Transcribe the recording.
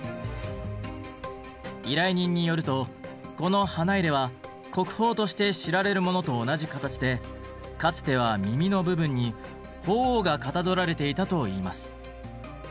依頼人によるとこの花入は国宝として知られるものと同じ形でかつては耳の部分に鳳凰がかたどられていたといいます。